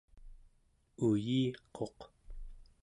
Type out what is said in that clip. uyiquq